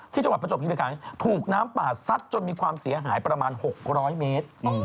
จังหวัดประจบฮิริคันถูกน้ำป่าซัดจนมีความเสียหายประมาณ๖๐๐เมตร